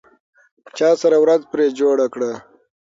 چا سره ورځ پرې جوړه کړه؟